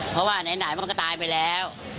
เพราะว่าไหนมันก็ตายไปแล้ว